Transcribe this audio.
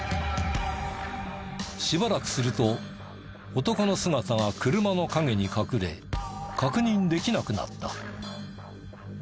しばらくすると男の姿が車の陰に隠れ確認できなくなった。